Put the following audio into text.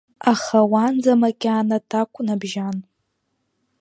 Аха уанӡа макьана такә набжьан.